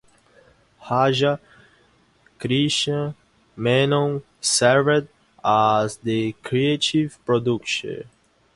Raja Krishna Menon served as the creative producer.